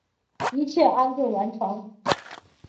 一切安顿完成